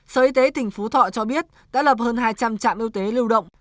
sở y tế tỉnh phú thọ cho biết đã lập hơn hai trăm linh trạm y tế lưu động